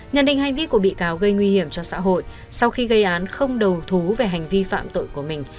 nhận định hành vi của bị cáo gây nguy hiểm cho xã hội sau khi gây án không đầu thú về hành vi phạm tội của mình